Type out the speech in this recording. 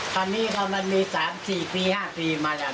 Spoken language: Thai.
ตอนนี้มันมี๔๕ปีมาแล้ว